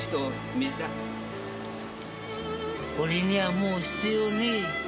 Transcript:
俺にはもう必要ねえ。